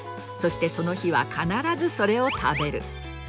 そしてその日は必ずそれを食べる。